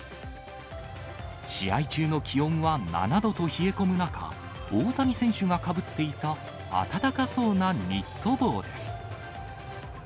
試合中の気温は７度と冷え込む中、大谷選手がかぶっていた暖かそうなニット帽です。